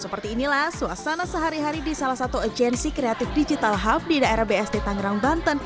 seperti inilah suasana sehari hari di salah satu agensi kreatif digital hub di daerah bsd tangerang banten